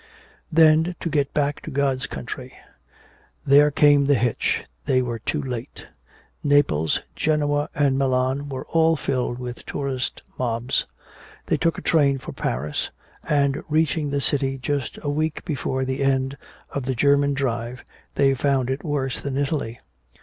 Then to get back to God's country! There came the hitch, they were too late. Naples, Genoa, and Milan, all were filled with tourist mobs. They took a train for Paris, and reaching the city just a week before the end of the German drive they found it worse than Italy.